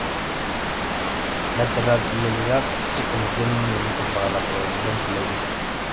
La telerrealidad se convirtió en un elemento para la programación televisiva.